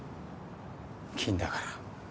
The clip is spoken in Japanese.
菌だから。